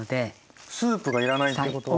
スープが要らないっていうことは。